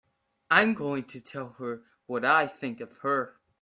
I'm going to tell her what I think of her!